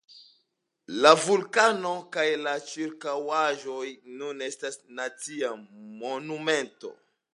La vulkano kaj la ĉirkaŭaĵoj nun estas nacia monumento.